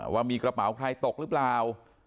ว่ามีกระเป๋าใครตกหรือเปล่า